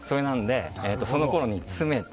そのころに詰めて。